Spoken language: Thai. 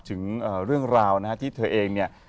ถึงเรื่องราวนะฮะที่เธอเองเนี่ย